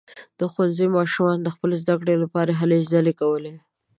د ښوونځي ماشومانو د خپلو زده کړو لپاره هلې ځلې کولې.